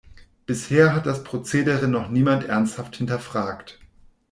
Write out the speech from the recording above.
Bisher hat das Prozedere noch niemand ernsthaft hinterfragt.